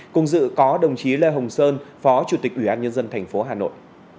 cùng dự có đồng chí lê hồng sơn phó chủ tịch ủy ban nhân dân thành phố hà nội